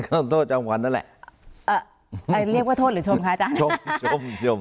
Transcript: โทษจำขวัญนั่นแหละเรียกว่าโทษหรือชมคะอาจารย์ชมชม